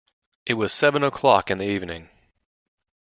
It was seven o'clock in the evening.